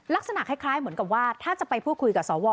ลักษณะคล้ายเหมือนกับว่าถ้าจะไปพูดคุยกับสว